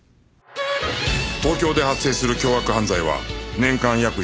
東京で発生する凶悪犯罪は年間約１０００件